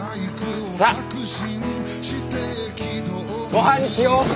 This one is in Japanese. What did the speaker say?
ごはんにしよ！